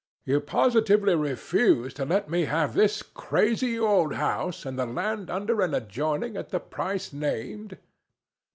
"You positively refuse to let me have this crazy old house, and the land under and adjoining, at the price named?"